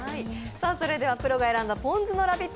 プロが選んだポン酢のラヴィット！